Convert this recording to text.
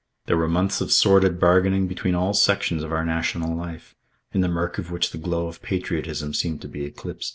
They were months of sordid bargaining between all sections of our national life, in the murk of which the glow of patriotism seemed to be eclipsed.